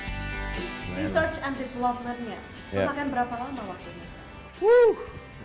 research and developmentnya memakan berapa lama waktu ini